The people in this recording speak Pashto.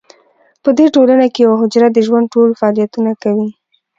په دې ټولنو کې یوه حجره د ژوند ټول فعالیتونه کوي.